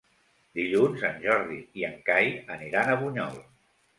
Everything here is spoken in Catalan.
Dilluns en Jordi i en Cai aniran a Bunyol.